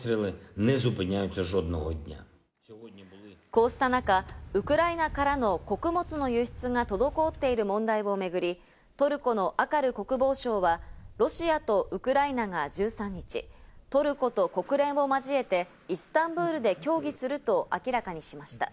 こうした中、ウクライナからの穀物の輸出が滞っている問題をめぐり、トルコのアカル国防相はロシアとウクライナが１３日、トルコと国連を交えてイスタンブールで協議すると明らかにしました。